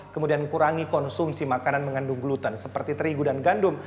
kemudian kurangi konsumsi makanan mengandung gluten seperti terigu dan gandum